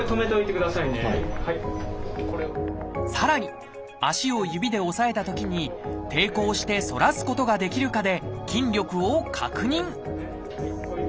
さらに足を指で押さえたときに抵抗して反らすことができるかで筋力を確認